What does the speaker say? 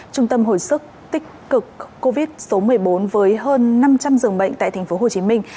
trung tâm hồi sức tích cực covid một mươi bốn với hơn năm trăm linh dường bệnh tại thành phố hồ chí minh